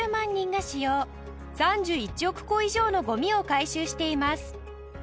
３１億個以上のごみを回収しています